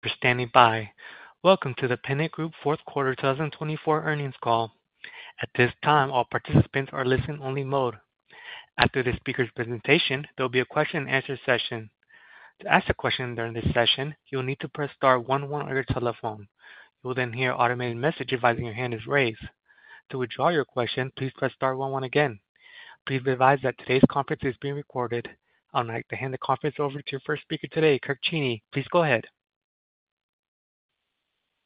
For standing by. Welcome to The Pennant Group Fourth Quarter 2024 Earnings Call. At this time, all participants are in listen-only mode. After the speaker's presentation, there will be a question-and-answer session. To ask a question during this session, you'll need to press star one one on your telephone. You will then hear an automated message advising your hand is raised. To withdraw your question, please press star one one again. Please be advised that today's conference is being recorded. I would like to hand the conference over to your first speaker today, Kirk Cheney. Please go ahead.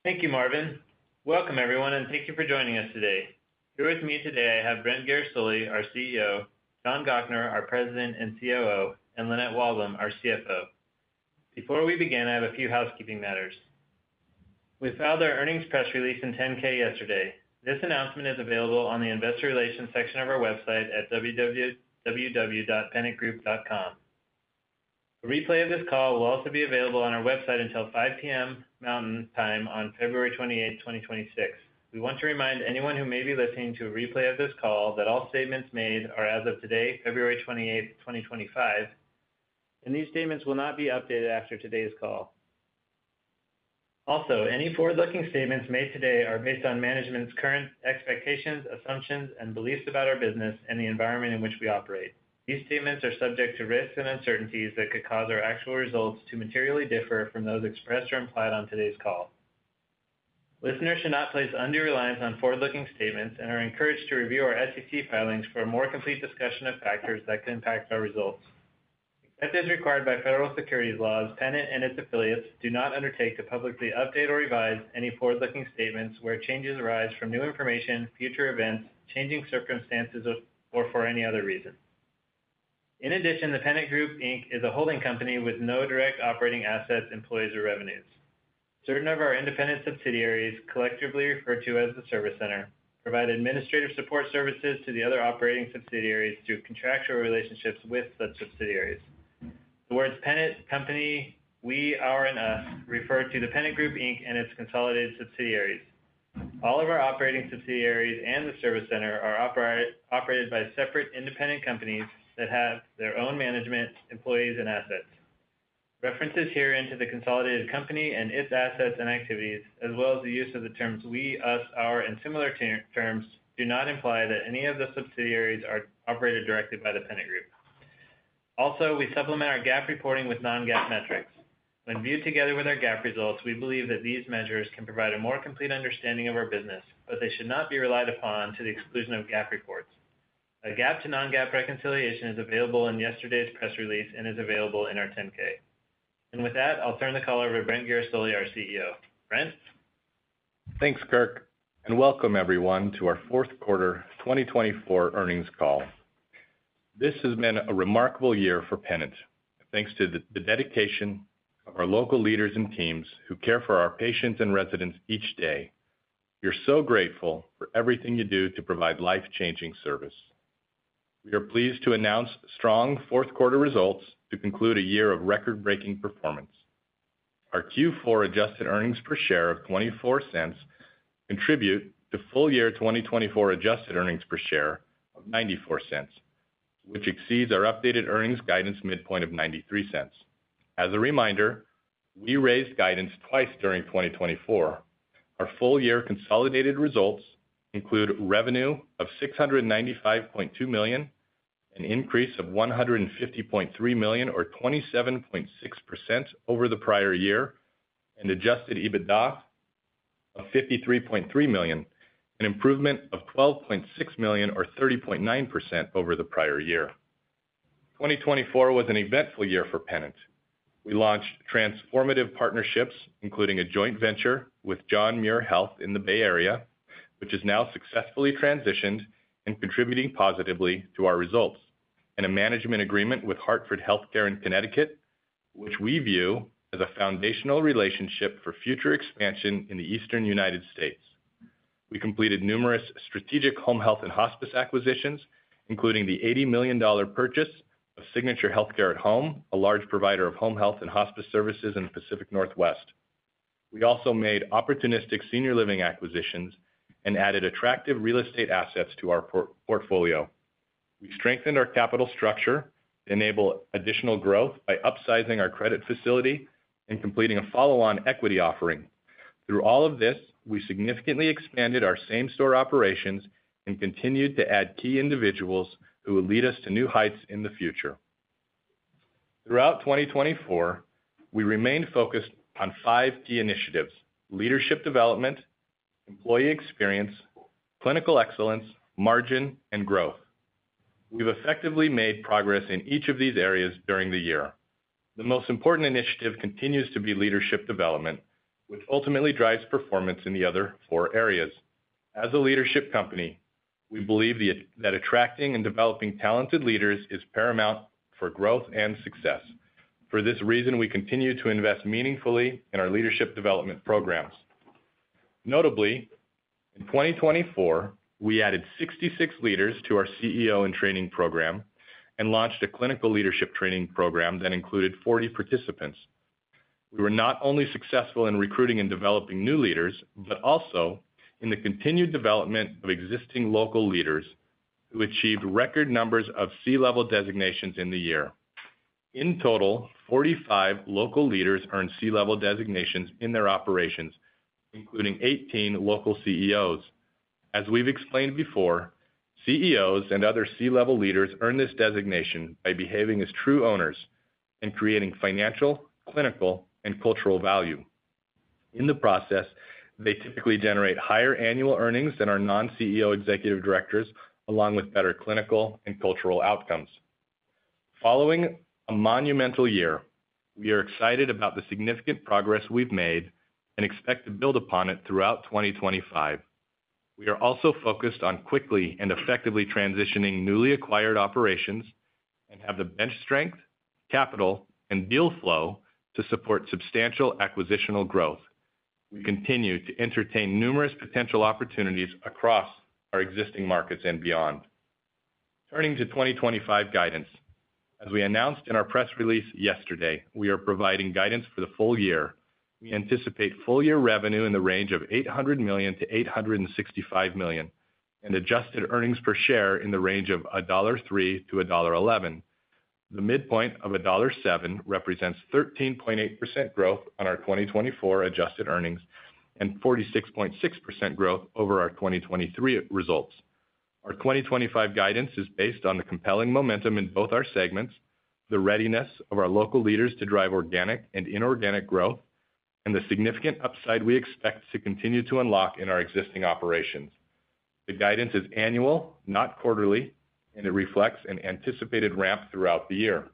Thank you, Marvin. Welcome, everyone, and thank you for joining us today. Here with me today, I have Brent Guerisoli, our CEO; John Gochnour, our President and COO; and Lynette Walbom, our CFO. Before we begin, I have a few housekeeping matters. We filed our earnings press release and 10-K yesterday. This announcement is available on the Investor Relations section of our website at www.pennantgroup.com. A replay of this call will also be available on our website until 5:00 P.M. Mountain Time on February 28, 2026. We want to remind anyone who may be listening to a replay of this call that all statements made are as of today, February 28, 2025, and these statements will not be updated after today's call. Also, any forward-looking statements made today are based on management's current expectations, assumptions, and beliefs about our business and the environment in which we operate. These statements are subject to risks and uncertainties that could cause our actual results to materially differ from those expressed or implied on today's call. Listeners should not place undue reliance on forward-looking statements and are encouraged to review our SEC filings for a more complete discussion of factors that could impact our results. Except as required by federal securities laws, Pennant and its affiliates do not undertake to publicly update or revise any forward-looking statements where changes arise from new information, future events, changing circumstances, or for any other reason. In addition, the Pennant Group is a holding company with no direct operating assets, employees, or revenues. Certain of our independent subsidiaries, collectively referred to as the Service Center, provide administrative support services to the other operating subsidiaries through contractual relationships with such subsidiaries. The words Pennant, Company, We, Our, and Us refer to the Pennant Group and its consolidated subsidiaries. All of our operating subsidiaries and the Service Center are operated by separate independent companies that have their own management, employees, and assets. References herein to the consolidated company and its assets and activities, as well as the use of the terms We, Us, Our, and similar terms, do not imply that any of the subsidiaries are operated directly by the Pennant Group. Also, we supplement our GAAP reporting with non-GAAP metrics. When viewed together with our GAAP results, we believe that these measures can provide a more complete understanding of our business, but they should not be relied upon to the exclusion of GAAP reports. A GAAP to non-GAAP reconciliation is available in yesterday's press release and is available in our 10-K. With that, I'll turn the call over to Brent Guerisoli, our CEO. Brent? Thanks, Kirk. Welcome, everyone, to our Fourth Quarter 2024 Earnings Call. This has been a remarkable year for Pennant, thanks to the dedication of our local leaders and teams who care for our patients and residents each day. We are so grateful for everything you do to provide life-changing service. We are pleased to announce strong fourth quarter results to conclude a year of record-breaking performance. Our Q4 adjusted earnings per share of $0.24 contribute to full-year 2024 adjusted earnings per share of $0.94, which exceeds our updated earnings guidance midpoint of $0.93. As a reminder, we raised guidance twice during 2024. Our full-year consolidated results include a revenue of $695.2 million, an increase of $150.3 million, or 27.6%, over the prior year, an adjusted EBITDA of $53.3 million, and an improvement of $12.6 million, or 30.9%, over the prior year. 2024 was an eventful year for Pennant. We launched transformative partnerships, including a joint venture with John Muir Health in the Bay Area, which has now successfully transitioned and is contributing positively to our results, and a management agreement with Hartford HealthCare in Connecticut, which we view as a foundational relationship for future expansion in the eastern United States. We completed numerous strategic Home Health and Hospice acquisitions, including the $80 million purchase of Signature Healthcare at Home, a large provider of Home Health and Hospice services in the Pacific Northwest. We also made opportunistic senior living acquisitions and added attractive real estate assets to our portfolio. We strengthened our capital structure to enable additional growth by upsizing our credit facility and completing a follow-on equity offering. Through all of this, we significantly expanded our same-store operations and continued to add key individuals who will lead us to new heights in the future. Throughout 2024, we remained focused on five key initiatives: leadership development, employee experience, clinical excellence, margin, and growth. We've effectively made progress in each of these areas during the year. The most important initiative continues to be leadership development, which ultimately drives performance in the other four areas. As a leadership company, we believe that attracting and developing talented leaders is paramount for growth and success. For this reason, we continue to invest meaningfully in our leadership development programs. Notably, in 2024, we added 66 leaders to our CEO and training program and launched a clinical leadership training program that included 40 participants. We were not only successful in recruiting and developing new leaders, but also in the continued development of existing local leaders who achieved record numbers of C-level designations in the year. In total, 45 local leaders earned C-level designations in their operations, including 18 local CEOs. As we've explained before, CEOs and other C-level leaders earn this designation by behaving as true owners and creating financial, clinical, and cultural value. In the process, they typically generate higher annual earnings than our non-CEO executive directors, along with better clinical and cultural outcomes. Following a monumental year, we are excited about the significant progress we've made and expect to build upon it throughout 2025. We are also focused on quickly and effectively transitioning newly acquired operations and have the bench strength, capital, and deal flow to support substantial acquisitional growth. We continue to entertain numerous potential opportunities across our existing markets and beyond. Turning to 2025 guidance, as we announced in our press release yesterday, we are providing guidance for the full year. We anticipate full-year revenue in the range of $800 million-$865 million and adjusted earnings per share in the range of $1.03-$1.one one. The midpoint of $1.07 represents 13.8% growth on our 2024 adjusted earnings and 46.6% growth over our 2023 results. Our 2025 guidance is based on the compelling momentum in both our segments, the readiness of our local leaders to drive organic and inorganic growth, and the significant upside we expect to continue to unlock in our existing operations. The guidance is annual, not quarterly, and it reflects an anticipated ramp throughout the year,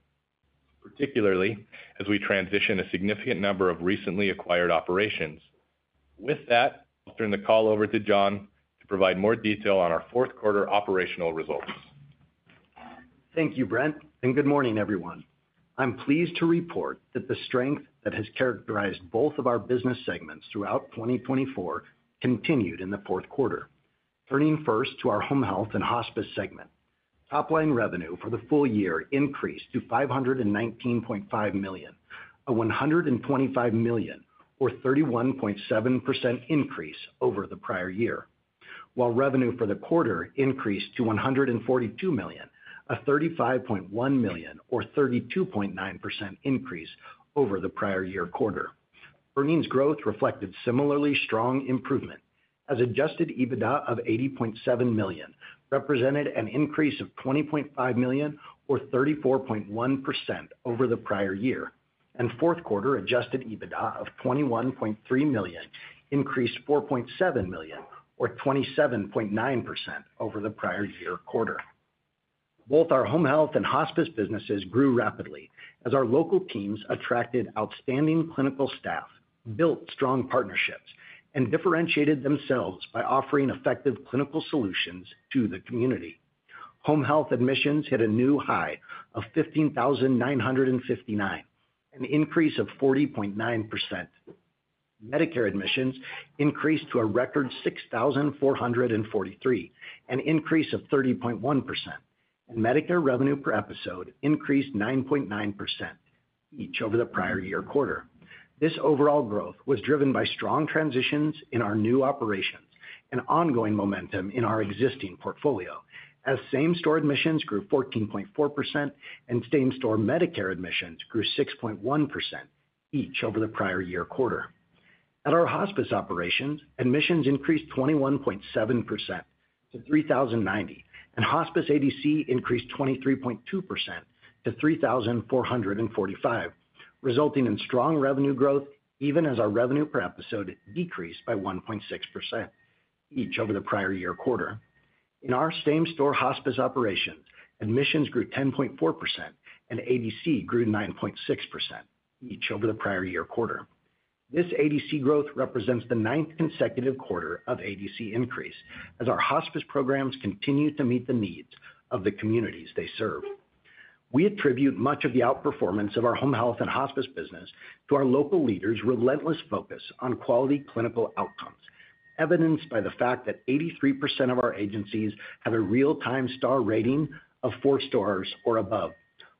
particularly as we transition a significant number of recently acquired operations. With that, I'll turn the call over to John to provide more detail on our fourth-quarter operational results. Thank you, Brent, and good morning, everyone. I'm pleased to report that the strength that has characterized both of our business segments throughout 2024 continued in the fourth quarter. Turning first to our Home Health and Hospice segment, top-line revenue for the full year increased to $519.5 million, a $125 million, or 31.7% increase over the prior year. While revenue for the quarter increased to $142 million, a $35.1 million, or 32.9% increase over the prior year quarter. Earnings growth reflected similarly strong improvement, as adjusted EBITDA of $80.7 million represented an increase of $20.5 million, or 34.1%, over the prior year, and fourth-quarter adjusted EBITDA of $21.3 million increased $4.7 million, or 27.9%, over the prior year quarter. Both our Home Health and Hospice businesses grew rapidly as our local teams attracted outstanding clinical staff, built strong partnerships, and differentiated themselves by offering effective clinical solutions to the community. Home health admissions hit a new high of $15,959, an increase of 40.9%. Medicare admissions increased to a record $6,443, an increase of 30.1%, and Medicare revenue per episode increased 9.9% each over the prior year quarter. This overall growth was driven by strong transitions in our new operations and ongoing momentum in our existing portfolio, as same-store admissions grew 14.4% and same-store Medicare admissions grew 6.1% each over the prior year quarter. At our Hospice operations, admissions increased 21.7% to $3,090, and Hospice ADC increased 23.2% to $3,445, resulting in strong revenue growth, even as our revenue per episode decreased by 1.6% each over the prior year quarter. In our same-store Hospice operations, admissions grew 10.4% and ADC grew 9.6% each over the prior year quarter. This ADC growth represents the ninth consecutive quarter of ADC increase, as our Hospice programs continue to meet the needs of the communities they serve. We attribute much of the outperformance of our Home Health and Hospice business to our local leaders' relentless focus on quality clinical outcomes, evidenced by the fact that 83% of our agencies have a real-time star rating of four stars or above.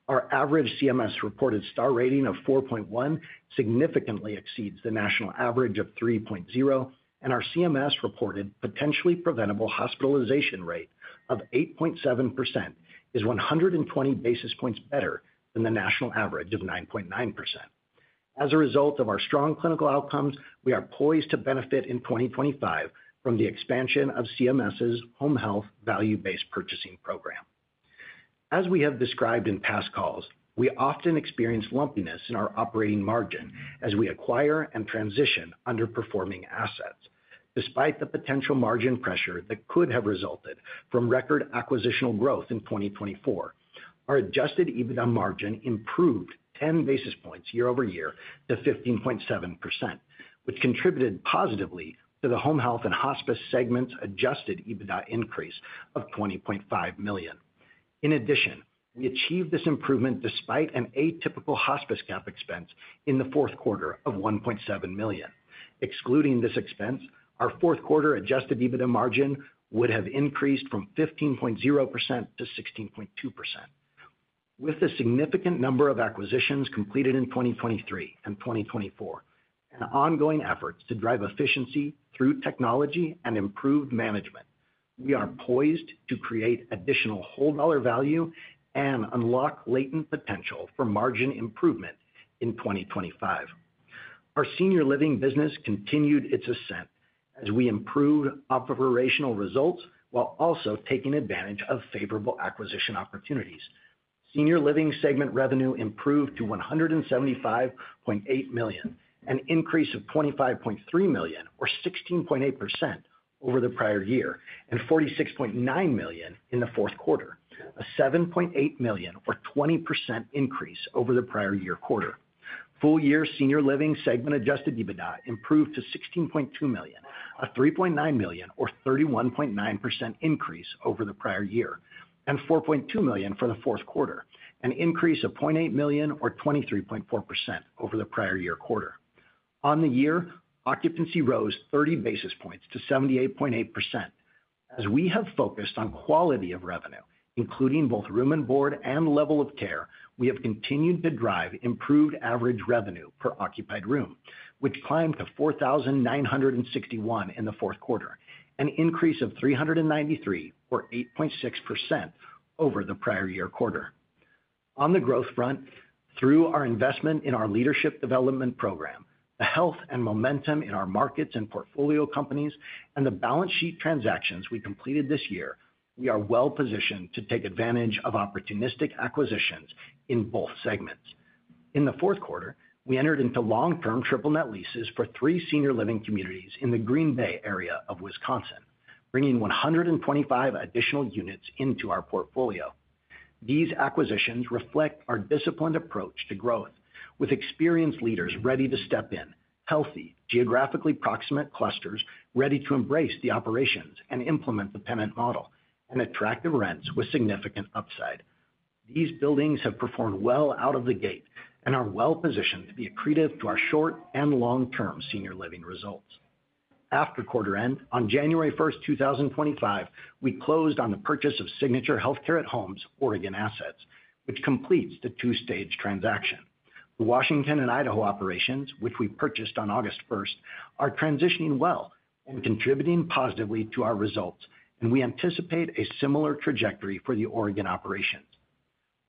Our average CMS reported star rating of 4.1 significantly exceeds the national average of 3.0, and our CMS reported potentially preventable hospitalization rate of 8.7% is 120 basis points better than the national average of 9.9%. As a result of our strong clinical outcomes, we are poised to benefit in 2025 from the expansion of CMS's Home Health value-based purchasing program. As we have described in past calls, we often experience lumpiness in our operating margin as we acquire and transition underperforming assets. Despite the potential margin pressure that could have resulted from record acquisitional growth in 2024, our adjusted EBITDA margin improved 10 basis points year-over-year to 15.7%, which contributed positively to the Home Health and Hospice segment's adjusted EBITDA increase of $20.5 million. In addition, we achieved this improvement despite an atypical Hospice GAAP expense in the fourth quarter of $1.7 million. Excluding this expense, our fourth-quarter adjusted EBITDA margin would have increased from 15.0% to 16.2%. With a significant number of acquisitions completed in 2023 and 2024 and ongoing efforts to drive efficiency through technology and improved management, we are poised to create additional whole dollar value and unlock latent potential for margin improvement in 2025. Our senior living business continued its ascent as we improved operational results while also taking advantage of favorable acquisition opportunities. Senior living segment revenue improved to $175.8 million, an increase of $25.3 million, or 16.8%, over the prior year, and $46.9 million in the fourth quarter, a $7.8 million, or 20%, increase over the prior year quarter. Full-year senior living segment adjusted EBITDA improved to $16.2 million, a $3.9 million, or 31.9%, increase over the prior year, and $4.2 million for the fourth quarter, an increase of $0.8 million, or 23.4%, over the prior year quarter. On the year, occupancy rose 30 basis points to 78.8%. As we have focused on quality of revenue, including both room and board and level of care, we have continued to drive improved average revenue per occupied room, which climbed to $4,961 in the fourth quarter, an increase of $393, or 8.6%, over the prior year quarter. On the growth front, through our investment in our leadership development program, the health and momentum in our markets and portfolio companies, and the balance sheet transactions we completed this year, we are well-positioned to take advantage of opportunistic acquisitions in both segments. In the fourth quarter, we entered into long-term triple-net leases for three senior living communities in the Green Bay area of Wisconsin, bringing 125 additional units into our portfolio. These acquisitions reflect our disciplined approach to growth, with experienced leaders ready to step in, healthy, geographically proximate clusters ready to embrace the operations and implement the Pennant model, and attractive rents with significant upside. These buildings have performed well out of the gate and are well-positioned to be accretive to our short and long-term senior living results. After quarter end, on January 1st, 2025, we closed on the purchase of Signature Healthcare at Home's Oregon assets, which completes the two-stage transaction. The Washington and Idaho operations, which we purchased on August 1st, are transitioning well and contributing positively to our results, and we anticipate a similar trajectory for the Oregon operations.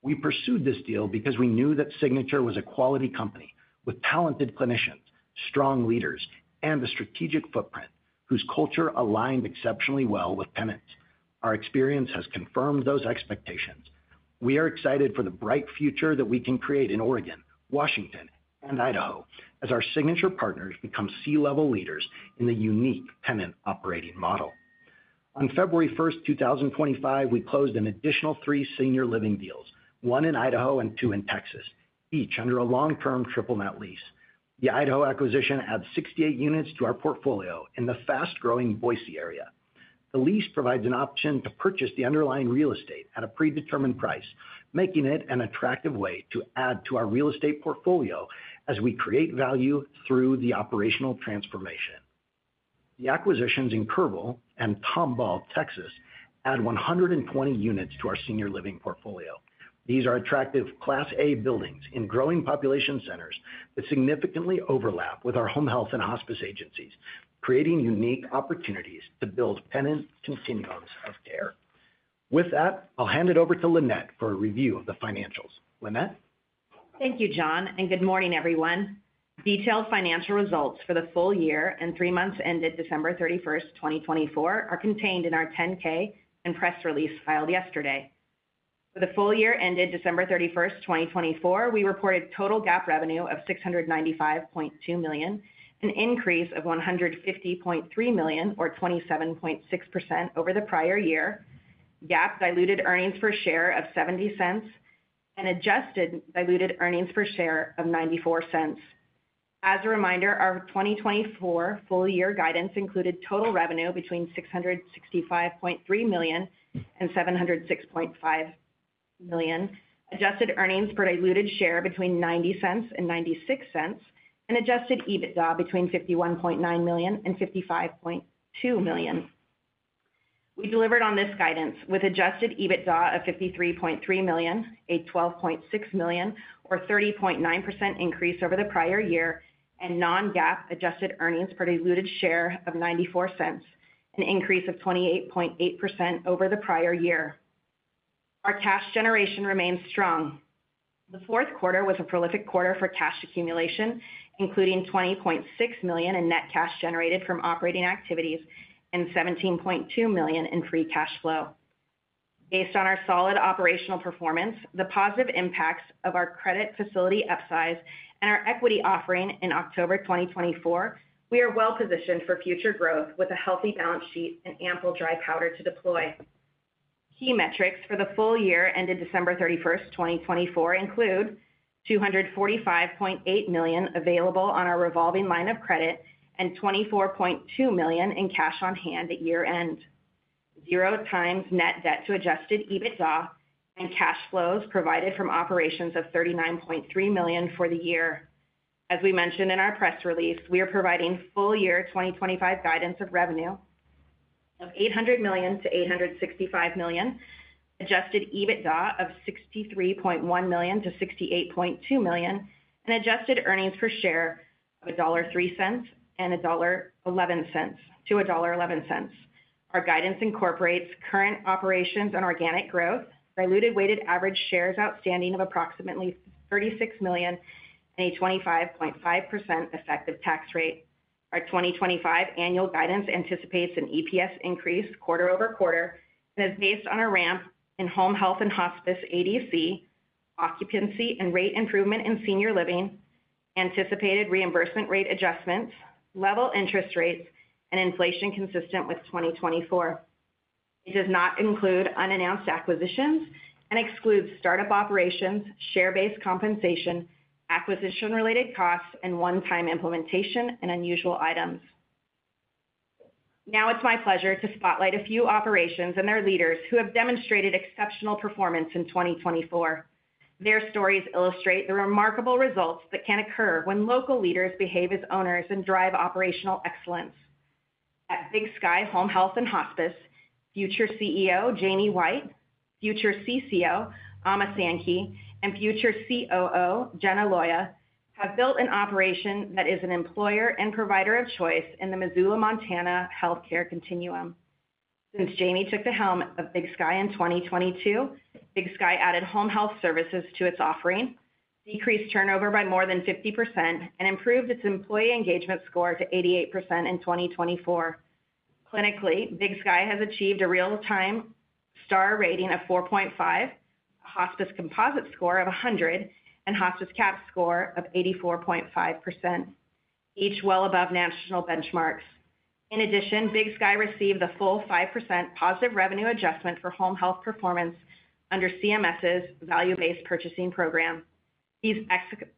We pursued this deal because we knew that Signature was a quality company with talented clinicians, strong leaders, and a strategic footprint whose culture aligned exceptionally well with Pennant's. Our experience has confirmed those expectations. We are excited for the bright future that we can create in Oregon, Washington, and Idaho as our Signature partners become C-level leaders in the unique Pennant operating model. On February 1st, 2025, we closed an additional three senior living deals, one in Idaho and two in Texas, each under a long-term triple-net lease. The Idaho acquisition adds 68 units to our portfolio in the fast-growing Boise area. The lease provides an option to purchase the underlying real estate at a predetermined price, making it an attractive way to add to our real estate portfolio as we create value through the operational transformation. The acquisitions in Kerrville and Tomball, Texas, add 120 units to our senior living portfolio. These are attractive Class A buildings in growing population centers that significantly overlap with our Home Health and Hospice agencies, creating unique opportunities to build Pennant continuums of care. With that, I'll hand it over to Lynette for a review of the financials. Lynette? Thank you, John, and good morning, everyone. Detailed financial results for the full year and three months ended December 31st, 2024, are contained in our 10-K and press release filed yesterday. For the full year ended December 31st, 2024, we reported total GAAP revenue of $695.2 million, an increase of $150.3 million, or 27.6%, over the prior year, GAAP diluted earnings per share of $0.70, and adjusted diluted earnings per share of $0.94. As a reminder, our 2024 full-year guidance included total revenue between $665.3 million and $706.5 million, adjusted earnings per diluted share between $0.90 and $0.96, and adjusted EBITDA between $51.9 million and $55.2 million. We delivered on this guidance with adjusted EBITDA of $53.3 million, a $12.6 million, or 30.9% increase over the prior year, and non-GAAP adjusted earnings per diluted share of $0.94, an increase of 28.8% over the prior year. Our cash generation remains strong. The fourth quarter was a prolific quarter for cash accumulation, including $20.6 million in net cash generated from operating activities and $17.2 million in free cash flow. Based on our solid operational performance, the positive impacts of our credit facility upsize, and our equity offering in October 2024, we are well-positioned for future growth with a healthy balance sheet and ample dry powder to deploy. Key metrics for the full year ended December 31st, 2024, include $245.8 million available on our revolving line of credit and $24.2 million in cash on hand at year-end, zero times net debt to adjusted EBITDA, and cash flows provided from operations of $39.3 million for the year. As we mentioned in our press release, we are providing full-year 2025 guidance of revenue of $800 million-$865 million, adjusted EBITDA of $63.1 million-$68.2 million, and adjusted earnings per share of $1.03 and $1.one one-$1.11. Our guidance incorporates current operations and organic growth, diluted weighted average shares outstanding of approximately 36 million, and a 25.5% effective tax rate. Our 2025 annual guidance anticipates an EPS increase quarter over quarter and is based on a ramp in Home Health and Hospice ADC, occupancy and rate improvement in senior living, anticipated reimbursement rate adjustments, level interest rates, and inflation consistent with 2024. It does not include unannounced acquisitions and excludes startup operations, share-based compensation, acquisition-related costs, and one-time implementation and unusual items. Now it's my pleasure to spotlight a few operations and their leaders who have demonstrated exceptional performance in 2024. Their stories illustrate the remarkable results that can occur when local leaders behave as owners and drive operational excellence. At Big Sky Home Health and Hospice, future CEO Jamie White, future CCO [Amma Sankey], and future COO Gena Loya have built an operation that is an employer and provider of choice in the Missoula, Montana healthcare continuum. Since Jamie took the helm of Big Sky in 2022, Big Sky added Home Health services to its offering, decreased turnover by more than 50%, and improved its employee engagement score to 88% in 2024. Clinically, Big Sky has achieved a real-time star rating of 4.5, a Hospice composite score of 100, and Hospice Cap score of 84.5%, each well above national benchmarks. In addition, Big Sky received a full 5% positive revenue adjustment for Home Health performance under CMS's value-based purchasing program. These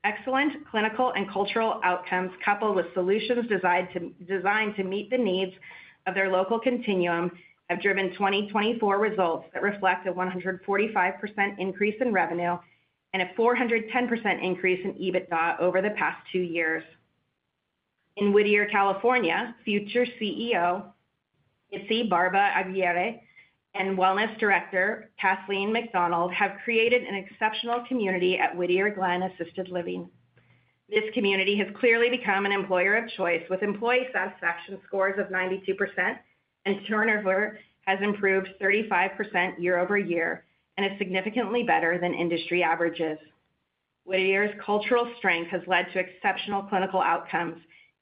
excellent clinical and cultural outcomes, coupled with solutions designed to meet the needs of their local continuum, have driven 2024 results that reflect a 145% increase in revenue and a 410% increase in EBITDA over the past two years. In Whittier, California, future CEO Itzay Barba Aguirre and Wellness Director Kathleen McDonald have created an exceptional community at Whittier Glen Assisted Living. This community has clearly become an employer of choice with employee satisfaction scores of 92%, and turnover has improved 35% year-over-year and is significantly better than industry averages. Whittier's cultural strength has led to exceptional clinical outcomes,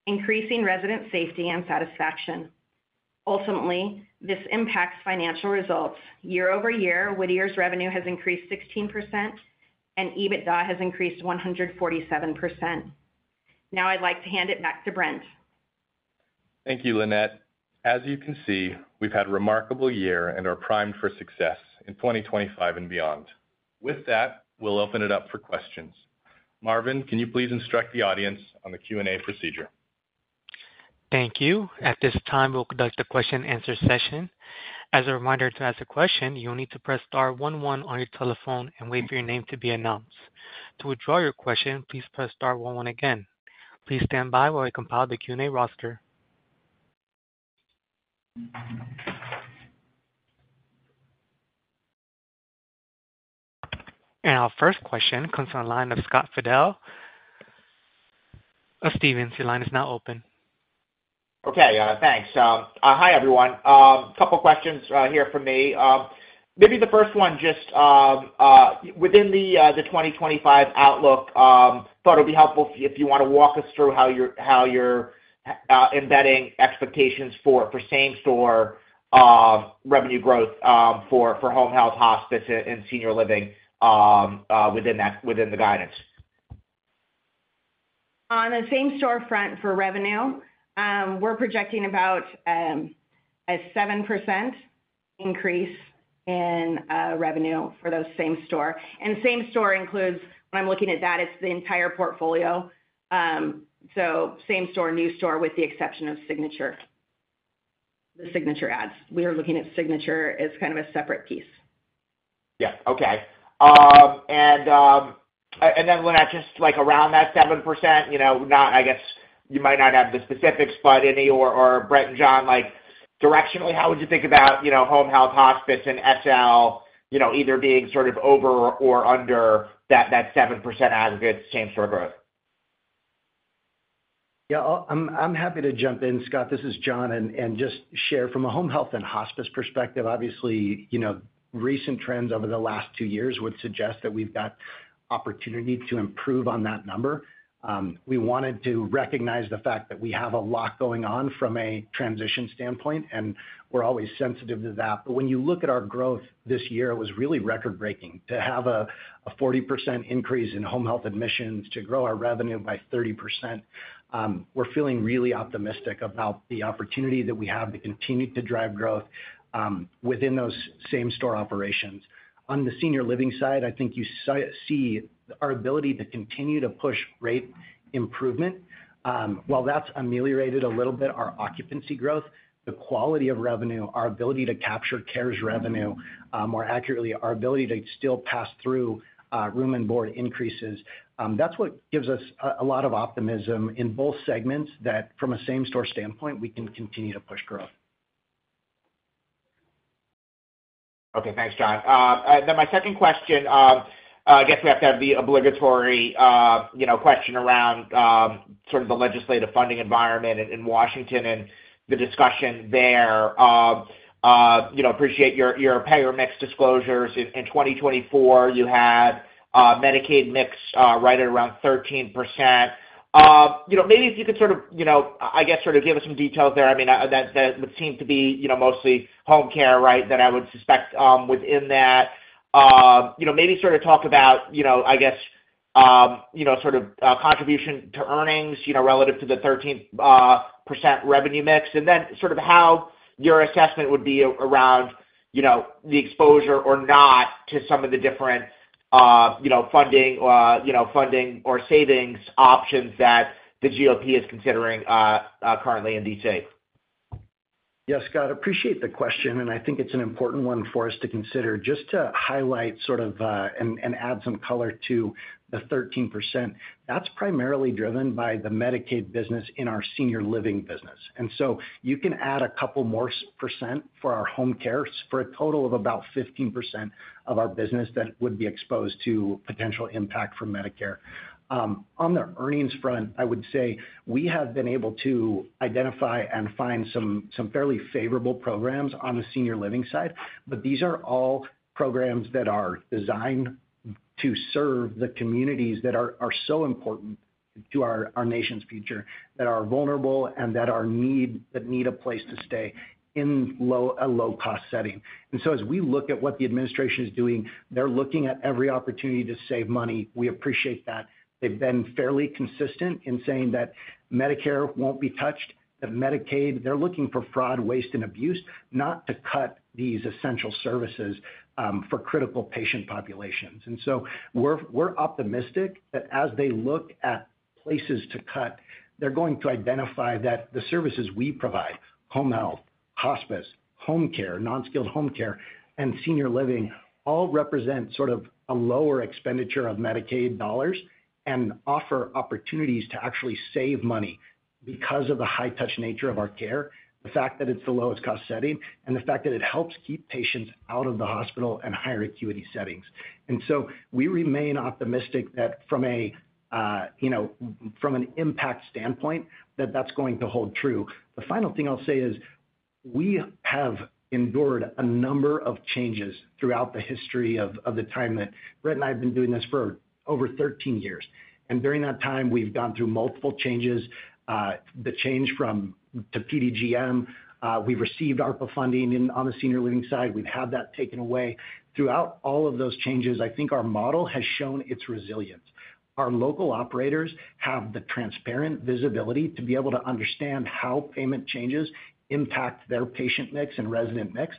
increasing resident safety and satisfaction. Ultimately, this impacts financial results. Year-over-year, Whittier's revenue has increased 16%, and EBITDA has increased 147%. Now I'd like to hand it back to Brent. Thank you, Lynette. As you can see, we've had a remarkable year and are primed for success in 2025 and beyond. With that, we'll open it up for questions. Marvin, can you please instruct the audience on the Q&A procedure? Thank you. At this time, we'll conduct a question-and-answer session. As a reminder to ask a question, you'll need to press star one one on your telephone and wait for your name to be announced. To withdraw your question, please press star one one again. Please stand by while I compile the Q&A roster. Our first question comes from the line of Scott Fidel from Stephens. Your line is now open. Okay, thanks. Hi, everyone. A couple of questions here for me. Maybe the first one just within the 2025 outlook, thought it would be helpful if you want to walk us through how you're embedding expectations for same-store revenue growth for Home Health, Hospice, and senior living within the guidance. On the same-store front for revenue, we're projecting about a 7% increase in revenue for those same-store. Same-store includes, when I'm looking at that, it's the entire portfolio. Same-store, new-store with the exception of Signature. The Signature adds. We are looking at Signature as kind of a separate piece. Yeah, okay. And then, Lynette, just around that 7%, I guess you might not have the specifics, but any or Brent and John, directionally, how would you think about Home Health, Hospice, and SL either being sort of over or under that 7% aggregate same-store growth? Yeah, I'm happy to jump in, Scott. This is John. Just to share from a Home Health and Hospice perspective, obviously, recent trends over the last two years would suggest that we've got opportunity to improve on that number. We wanted to recognize the fact that we have a lot going on from a transition standpoint, and we're always sensitive to that. When you look at our growth this year, it was really record-breaking to have a 40% increase in Home Health admissions to grow our revenue by 30%. We're feeling really optimistic about the opportunity that we have to continue to drive growth within those same-store operations. On the senior living side, I think you see our ability to continue to push rate improvement. While that's ameliorated a little bit our occupancy growth, the quality of revenue, our ability to capture care's revenue more accurately, our ability to still pass through room and board increases, that's what gives us a lot of optimism in both segments that from a same-store standpoint, we can continue to push growth. Okay, thanks, John. My second question, I guess we have to have the obligatory question around sort of the legislative funding environment in Washington and the discussion there. Appreciate your payer mix disclosures. In 2024, you had Medicaid mix right at around 13%. Maybe if you could sort of, I guess, sort of give us some details there. I mean, that would seem to be mostly home care, right, that I would suspect within that. Maybe sort of talk about, I guess, sort of contribution to earnings relative to the 13% revenue mix, and then sort of how your assessment would be around the exposure or not to some of the different funding or savings options that the GOP is considering currently in DC. Yes, Scott, I appreciate the question, and I think it's an important one for us to consider. Just to highlight sort of and add some color to the 13%, that's primarily driven by the Medicaid business in our senior living business. You can add a couple more percent for our home care for a total of about 15% of our business that would be exposed to potential impact from Medicare. On the earnings front, I would say we have been able to identify and find some fairly favorable programs on the senior living side, but these are all programs that are designed to serve the communities that are so important to our nation's future, that are vulnerable, and that need a place to stay in a low-cost setting. As we look at what the administration is doing, they're looking at every opportunity to save money. We appreciate that. They've been fairly consistent in saying that Medicare won't be touched, that Medicaid, they're looking for fraud, waste, and abuse, not to cut these essential services for critical patient populations. We are optimistic that as they look at places to cut, they're going to identify that the services we provide, Home Health, Hospice, home care, non-skilled home care, and senior living all represent sort of a lower expenditure of Medicaid dollars and offer opportunities to actually save money because of the high-touch nature of our care, the fact that it's the lowest-cost setting, and the fact that it helps keep patients out of the hospital and higher acuity settings. We remain optimistic that from an impact standpoint, that that's going to hold true. The final thing I'll say is we have endured a number of changes throughout the history of the time that Brent and I have been doing this for over 13 years. During that time, we've gone through multiple changes. The change to PDGM, we've received ARPA funding on the senior living side. We've had that taken away. Throughout all of those changes, I think our model has shown its resilience. Our local operators have the transparent visibility to be able to understand how payment changes impact their patient mix and resident mix,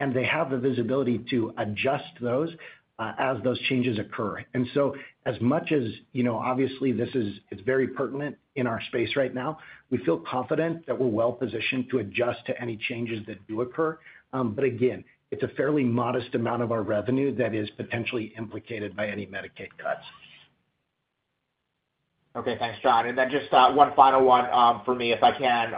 and they have the visibility to adjust those as those changes occur. As much as obviously this is very pertinent in our space right now, we feel confident that we're well-positioned to adjust to any changes that do occur. Again, it's a fairly modest amount of our revenue that is potentially implicated by any Medicaid cuts. Okay, thanks, John. Just one final one for me, if I can.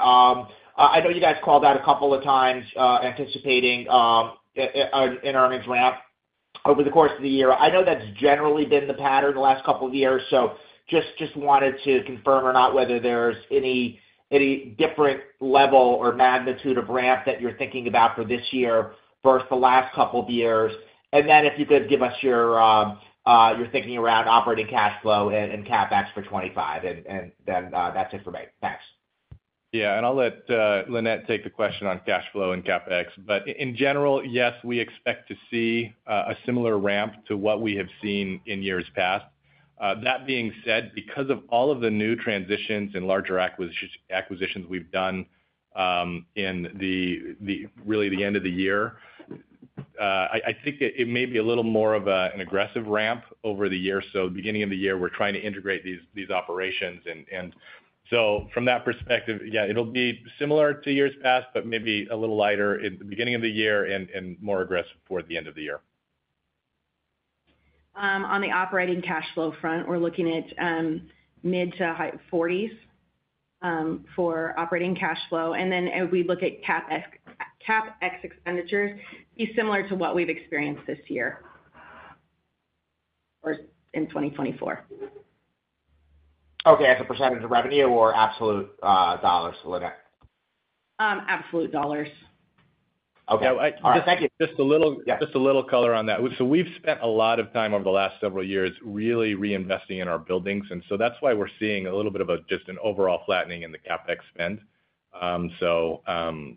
I know you guys called out a couple of times anticipating an earnings ramp over the course of the year. I know that's generally been the pattern the last couple of years. Just wanted to confirm or not whether there's any different level or magnitude of ramp that you're thinking about for this year versus the last couple of years. If you could give us your thinking around operating cash flow and CapEx for 2025, that's it for me. Thanks. Yeah, I'll let Lynette take the question on cash flow and CapEx. In general, yes, we expect to see a similar ramp to what we have seen in years past. That being said, because of all of the new transitions and larger acquisitions we've done in really the end of the year, I think it may be a little more of an aggressive ramp over the year. At the beginning of the year, we're trying to integrate these operations. From that perspective, yeah, it'll be similar to years past, but maybe a little lighter at the beginning of the year and more aggressive toward the end of the year. On the operating cash flow front, we're looking at mid to high $40 million for operating cash flow. And then we look at CapEx expenditures, be similar to what we've experienced this year or in 2024. Okay, as a percentage of revenue or absolute dollars, Lynette? Absolute dollars. Okay. Just a little color on that. We've spent a lot of time over the last several years really reinvesting in our buildings. That is why we're seeing a little bit of just an overall flattening in the CapEx spend. Some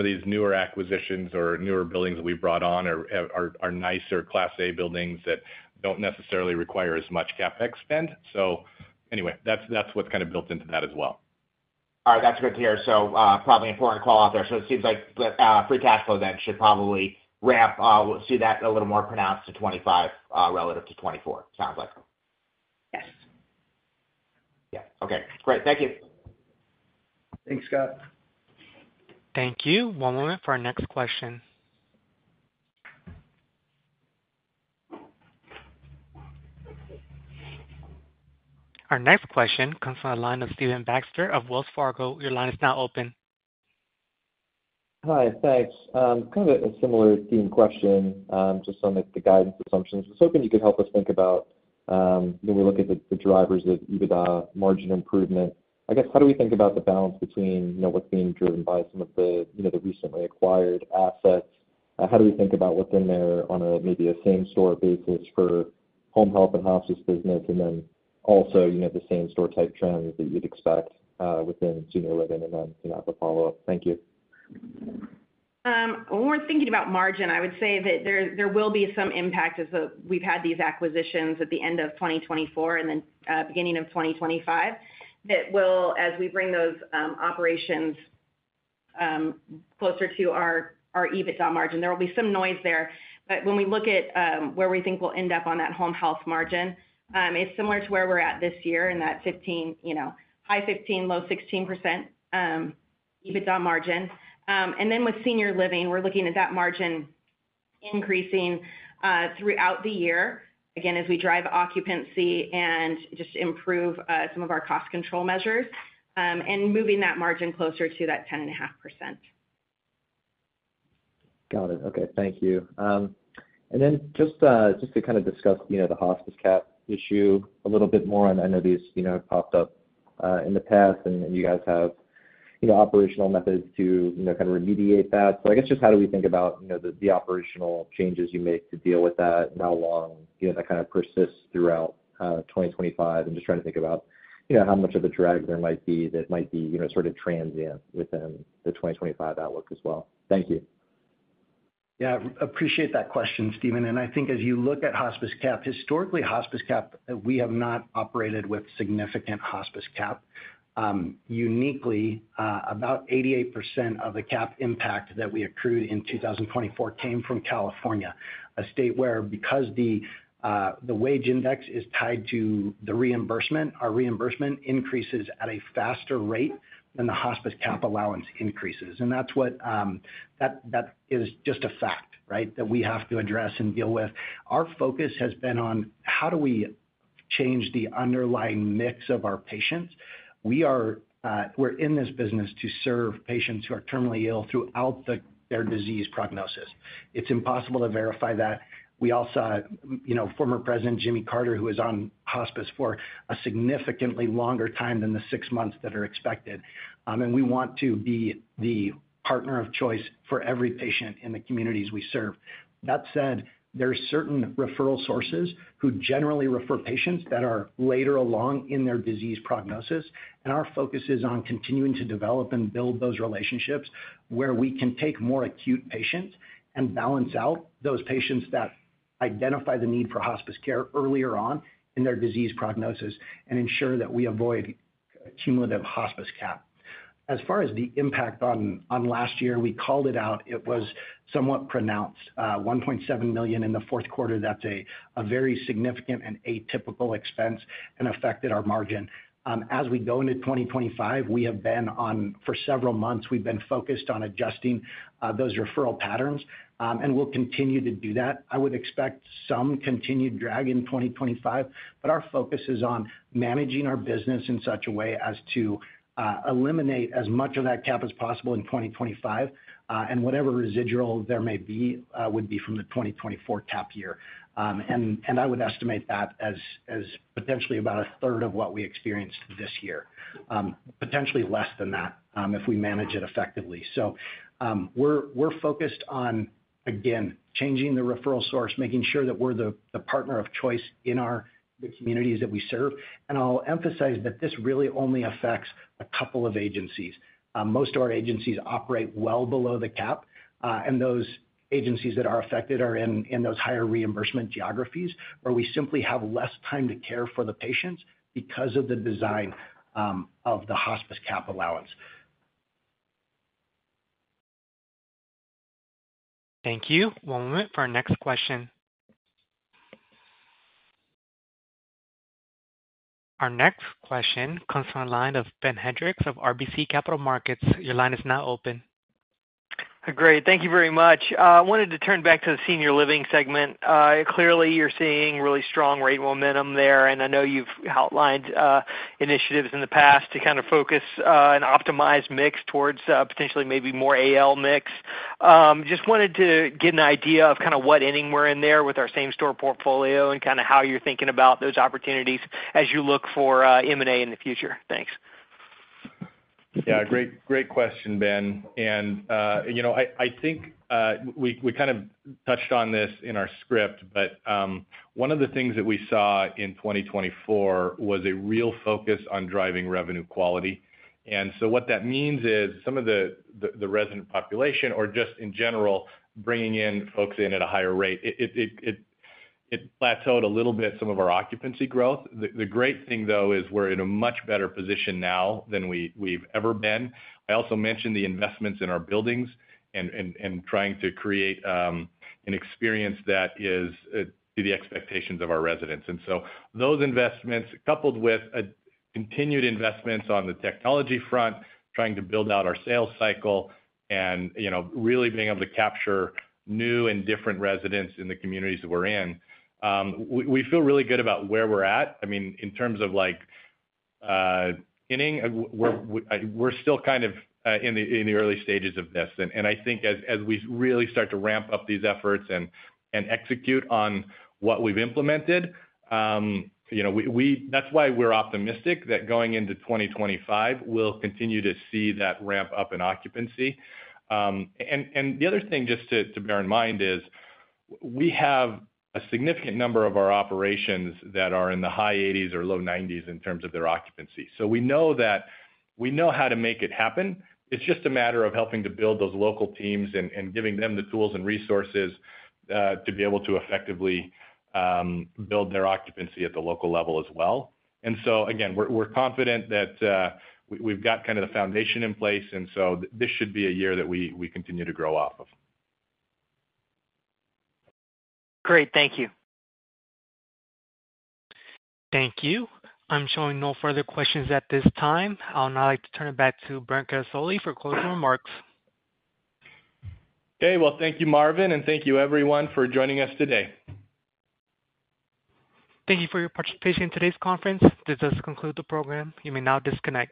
of these newer acquisitions or newer buildings that we've brought on are nicer class A buildings that do not necessarily require as much CapEx spend. That is what is kind of built into that as well. All right, that's good to hear. Probably important call out there. It seems like free cash flow then should probably ramp. We'll see that a little more pronounced in 2025 relative to 2024, it sounds like. Yes. Yeah, okay. Great, thank you. Thanks, Scott. Thank you. One moment for our next question. Our next question comes from the line of Stephen Baxter of Wells Fargo. Your line is now open. Hi, thanks. Kind of a similar theme question, just on the guidance assumptions. Just hoping you could help us think about when we look at the drivers of EBITDA margin improvement. I guess how do we think about the balance between what's being driven by some of the recently acquired assets? How do we think about what's in there on maybe a same-store basis for Home Health and Hospice business, and then also the same-store type trends that you'd expect within senior living? I have a follow-up. Thank you. When we're thinking about margin, I would say that there will be some impact as we've had these acquisitions at the end of 2024 and then beginning of 2025 that will, as we bring those operations closer to our EBITDA margin, there will be some noise there. When we look at where we think we'll end up on that Home Health margin, it's similar to where we're at this year in that high 15- low 16% EBITDA margin. With senior living, we're looking at that margin increasing throughout the year, again, as we drive occupancy and just improve some of our cost control measures and moving that margin closer to that 10.5%. Got it. Okay, thank you. Just to kind of discuss the Hospice cap issue a little bit more, I know these have popped up in the past, and you guys have operational methods to kind of remediate that. I guess just how do we think about the operational changes you make to deal with that, how long that kind of persists throughout 2025, and just trying to think about how much of a drag there might be that might be sort of transient within the 2025 outlook as well. Thank you. Yeah, I appreciate that question, Stephen. I think as you look at Hospice cap, historically, Hospice cap, we have not operated with significant Hospice cap. Uniquely, about 88% of the cap impact that we accrued in 2024 came from California, a state where, because the wage index is tied to the reimbursement, our reimbursement increases at a faster rate than the Hospice cap allowance increases. That is just a fact, right, that we have to address and deal with. Our focus has been on how do we change the underlying mix of our patients. We're in this business to serve patients who are terminally ill throughout their disease prognosis. It's impossible to verify that. We all saw former President Jimmy Carter, who is on Hospice for a significantly longer time than the six months that are expected. We want to be the partner of choice for every patient in the communities we serve. That said, there are certain referral sources who generally refer patients that are later along in their disease prognosis. Our focus is on continuing to develop and build those relationships where we can take more acute patients and balance out those patients that identify the need for Hospice care earlier on in their disease prognosis and ensure that we avoid cumulative Hospice cap. As far as the impact on last year, we called it out. It was somewhat pronounced, $1.7 million in the fourth quarter. That is a very significant and atypical expense and affected our margin. As we go into 2025, we have been on, for several months, we have been focused on adjusting those referral patterns, and we will continue to do that. I would expect some continued drag in 2025, but our focus is on managing our business in such a way as to eliminate as much of that cap as possible in 2025, and whatever residual there may be would be from the 2024 cap year. I would estimate that as potentially about a third of what we experienced this year, potentially less than that if we manage it effectively. We are focused on, again, changing the referral source, making sure that we are the partner of choice in the communities that we serve. I will emphasize that this really only affects a couple of agencies. Most of our agencies operate well below the cap, and those agencies that are affected are in those higher reimbursement geographies where we simply have less time to care for the patients because of the design of the Hospice cap allowance. Thank you. One moment for our next question. Our next question comes from the line of Ben Hendrix of RBC Capital Markets. Your line is now open. Great. Thank you very much. I wanted to turn back to the senior living segment. Clearly, you're seeing really strong rate momentum there, and I know you've outlined initiatives in the past to kind of focus and optimized mix towards potentially maybe more AL mix. Just wanted to get an idea of kind of what ending we're in there with our same-store portfolio and kind of how you're thinking about those opportunities as you look for M&A in the future. Thanks. Yeah, great question, Ben. I think we kind of touched on this in our script, but one of the things that we saw in 2024 was a real focus on driving revenue quality. What that means is some of the resident population or just in general, bringing in folks in at a higher rate, it plateaued a little bit some of our occupancy growth. The great thing, though, is we're in a much better position now than we've ever been. I also mentioned the investments in our buildings and trying to create an experience that is to the expectations of our residents. Those investments, coupled with continued investments on the technology front, trying to build out our sales cycle, and really being able to capture new and different residents in the communities that we're in, we feel really good about where we're at. I mean, in terms of inning, we're still kind of in the early stages of this. I think as we really start to ramp up these efforts and execute on what we've implemented, that's why we're optimistic that going into 2025, we'll continue to see that ramp up in occupancy. The other thing just to bear in mind is we have a significant number of our operations that are in the high 80s or low 90s in terms of their occupancy. We know that we know how to make it happen. It's just a matter of helping to build those local teams and giving them the tools and resources to be able to effectively build their occupancy at the local level as well. We're confident that we've got kind of the foundation in place, and this should be a year that we continue to grow off of. Great, thank you. Thank you. I'm showing no further questions at this time. I'll now like to turn it back to Brent Guerisoli for closing remarks. Okay, thank you, Marvin, and thank you, everyone, for joining us today. Thank you for your participation in today's conference. This does conclude the program. You may now disconnect.